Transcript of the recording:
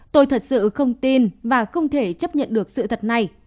tôi thật sự không tin và không thể chấp nhận được sự thật này